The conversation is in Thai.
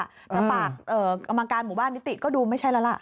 ถ้าฝากกำลังการหมู่บ้านนิติก็ดูไม่ใช่แล้วล่ะ